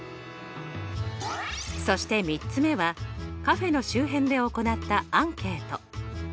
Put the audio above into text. そして３つ目はカフェの周辺で行ったアンケート。